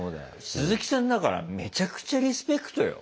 すずきさんだからめちゃくちゃリスペクトよ。